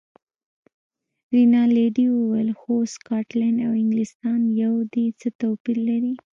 رینالډي وویل: خو سکاټلنډ او انګلیستان یو دي، څه توپیر لري.